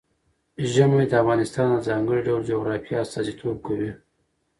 ژمی د افغانستان د ځانګړي ډول جغرافیه استازیتوب کوي.